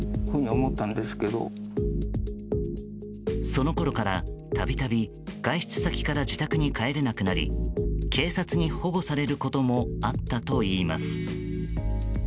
そのころから度々外出先から自宅に帰れなくなり警察に保護されることもあったといいます。